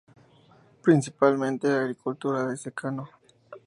Principalmente, agricultura de secano.